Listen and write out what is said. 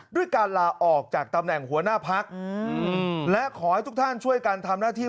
ด้วยการลาออกจากตำแหน่งหัวหน้าพักและขอให้ทุกท่านช่วยกันทำหน้าที่